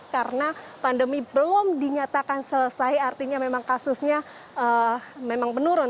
karena pandemi belum dinyatakan selesai artinya memang kasusnya memang menurun